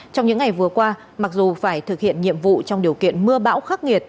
trong những ngày vừa qua mặc dù phải thực hiện nhiệm vụ trong điều kiện mưa bão khắc nghiệt